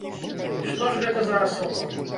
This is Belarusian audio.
Што ж гэта за асоба?